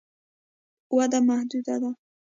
وده محدوده ده.